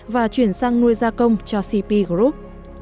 và chuyển sang nuôi ra công cho cp group